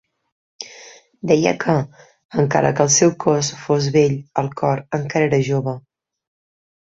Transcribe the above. Deia que, encara que el seu cos fos vell, el cor encara era jove.